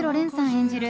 演じる